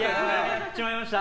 やっちまいました。